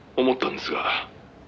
思ったんですが」